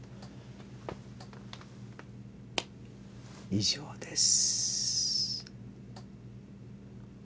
以上です。